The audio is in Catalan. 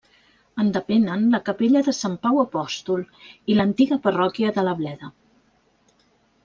En depenen la capella de Sant Pau apòstol i l'antiga parròquia de la Bleda.